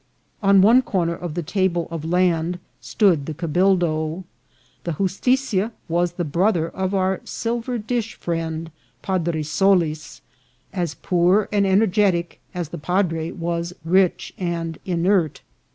On one corner of the table of land stood the cabildo. The jus titia was the brother of our silver dish friend Padre So lis, as poor and energetic as the padre was rich and inert.